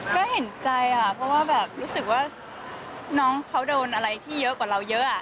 ก็เห็นใจค่ะเพราะว่าแบบรู้สึกว่าน้องเขาโดนอะไรที่เยอะกว่าเราเยอะ